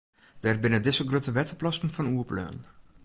Dêr binne dizze grutte wetterplassen fan oerbleaun.